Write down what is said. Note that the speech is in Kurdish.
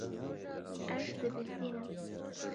Ez dibizdînim.